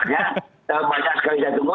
banyak sekali saya tunggu